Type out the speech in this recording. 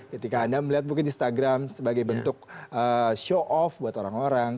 ketika anda melihat mungkin instagram sebagai bentuk show off buat orang orang